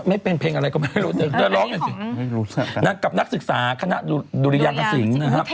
ไม่เป็นเพลงอะไรก็ไม่รู้ร้องกับนักศึกษาคณะดุริยากสิงศ์นะครับ